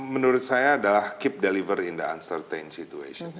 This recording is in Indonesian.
menurut saya adalah keep deliver in the uncertain situation